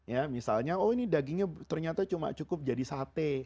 ya misalnya oh ini dagingnya ternyata cuma cukup jadi sate